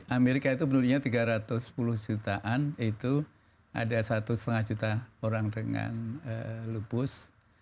amerika itu penduduknya tiga ratus sepuluh jutaan itu ada satu lima juta orang dengan lupus